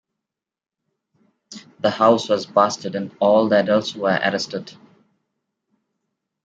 The house was busted and all adults were arrested.